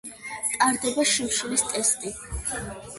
ტარდება შიმშილის ტესტი.